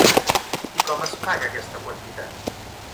I com es paga aquesta quantitat?